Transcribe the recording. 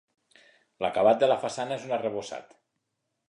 L'acabat de la façana és un arrebossat.